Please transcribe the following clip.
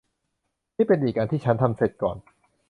นี่เป็นอีกอันที่ฉันทำเสร็จก่อน